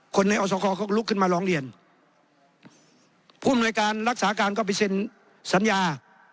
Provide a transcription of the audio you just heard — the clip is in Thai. คนในอสคเขาก็ลุกขึ้นมาร้องเรียนผู้อำนวยการรักษาการก็ไปเซ็นสัญญา